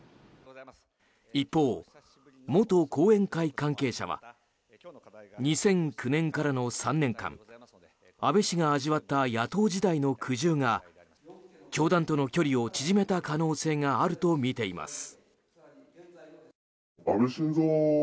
一方、元後援会関係者は２００９年からの３年間安倍氏が味わった野党時代の苦渋が教団との距離を縮めた可能性があるとみています。